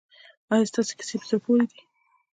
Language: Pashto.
ایا ستاسو کیسې په زړه پورې دي؟